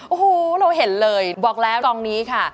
โอ้โหเราเห็นเลยบอกแล้วดองนี้ค่ะ